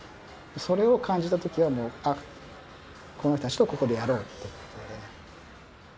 それを感じた時はもうこの人たちとここでやろうと。